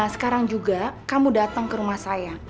sekarang juga kamu datang ke rumah saya